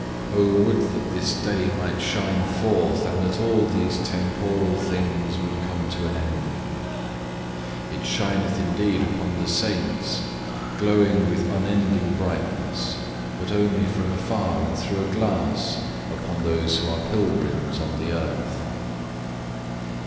Oh would that this day might shine forth, and that all these temporal things would come to an end. It shineth indeed upon the Saints, glowing with unending brightness, but only from afar and through a glass, upon those who are pilgrims on the earth.